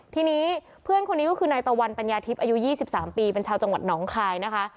ทีนี้เพื่อนคนนี้ก็คือนายตะวันปัญญาทิพย์อายุ๒๓ปีเป็นชาวจังหวัดหนองคายนะคะ